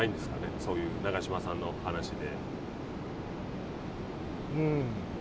そういう長嶋さんの話で。